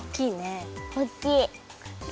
おっきいね。